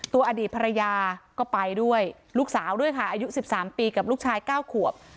ตัวอดีตภรรยาก็ไปด้วยลูกสาวด้วยค่ะอายุสิบสามปีกับลูกชายเก้าขวบ